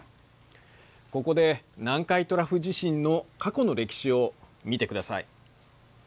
ここで南海トラフ地震の過去の歴史を見てください。